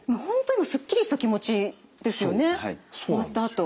今すっきりした気持ちですよね終わったあと。